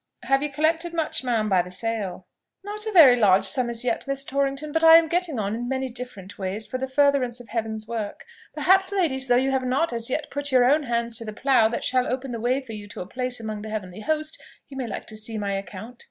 "Have you collected much, ma'am, by the sale?" "Not a very large sum as yet, Miss Torrington; but I am getting on in many different ways for the furtherance of Heaven's work. Perhaps, ladies, though you have not as yet put your own hands to the plough that shall open the way for you to a place among the heavenly host, you may like to see my account?"